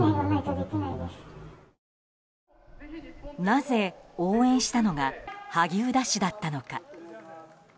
なぜ応援したのが萩生田氏だったのか。